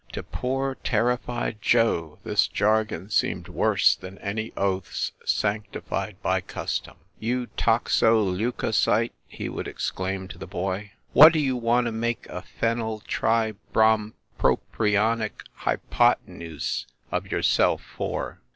To poor, terrified Joe this jargon seemed worse than any oaths sanctified by custom. "You toxoleuco cyte," he would exclaim to the boy, "what do you want to make a phenyltrybrompropionic hypothe PROLOGUE jr nuse of yourself for?"